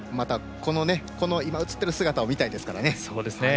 この映っている姿を見たいですからね。